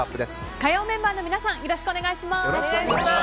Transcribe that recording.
火曜メンバーの皆さんよろしくお願いします。